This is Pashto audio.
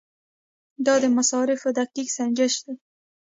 دا د مصارفو دقیق سنجش دی.